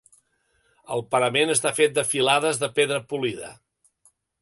El parament està fet de filades de pedra polida.